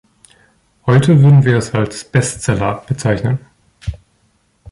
Heute würden wir es als „Bestseller“ bezeichnen.